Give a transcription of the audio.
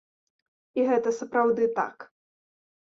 І гэта сапраўды так.